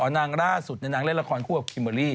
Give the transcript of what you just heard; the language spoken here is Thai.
นางล่าสุดนางเล่นละครคู่กับคิมเบอร์รี่